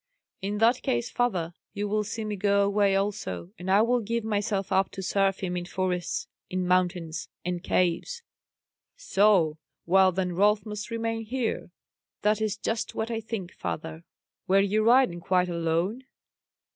"In that case, father, you will see me go away also; and I will give myself up to serve him in forests, in mountains, in caves." "So' Well, then, Rolf must remain here." "That is just what I think, father." "Were you riding quite alone?"